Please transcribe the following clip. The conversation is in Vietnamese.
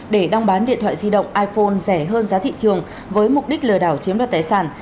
để đăng bán điện thoại di động iphone rẻ hơn giá thị trường với mục đích lừa đảo chiếm đoạt tài sản